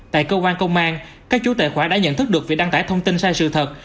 tại cơ quan công an các chủ tài khoản đã nhận thức được việc đăng tải thông tin sai sự thật